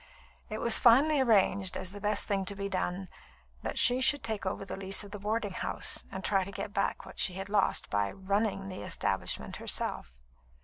It was finally arranged, as the best thing to be done, that she should take over the lease of the boarding house and try to get back what she had lost, by "running" the establishment herself.